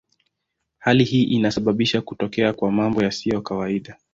Hali hii inasababisha kutokea kwa mambo yasiyo kawaida.